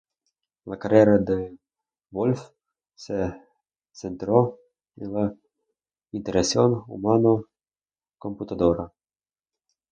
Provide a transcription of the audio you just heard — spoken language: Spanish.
La carrera de Wolf se centró en la interacción humano-computadora.